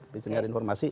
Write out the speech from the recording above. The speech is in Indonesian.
bisa nyari informasi